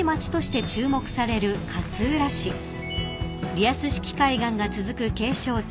［リアス式海岸が続く景勝地